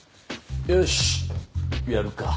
よしやるか。